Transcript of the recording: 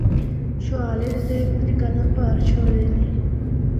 شوالے دے ذہن بچ گلاں پہر چھوڑدے نے۔